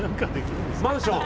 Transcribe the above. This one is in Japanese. マンション？